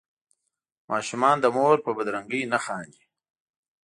ماشومان د مور په بدرنګۍ نه خاندي.